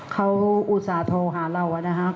เขาอุตส่าห์โทรหาเรานะครับ